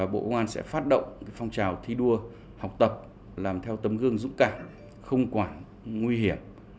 bộ công an sẽ phát động phong trào thi đua học tập làm theo tấm gương dũng cảm không quản nguy hiểm